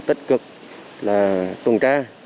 tích cực là tuần tra